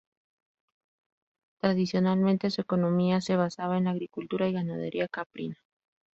Tradicionalmente su economía se basaba en la agricultura y ganadería caprina.